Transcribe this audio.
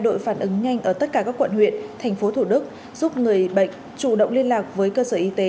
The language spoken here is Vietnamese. ba trăm một mươi hai đội phản ứng nhanh ở tất cả các quận huyện thành phố thủ đức giúp người bệnh chủ động liên lạc với cơ sở y tế